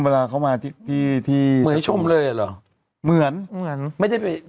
เวลาเขามาที่ที่เหมือนชมเลยเหรอเหมือนเหมือนไม่ได้ไป